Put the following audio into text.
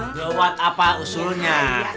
keluat apa usulnya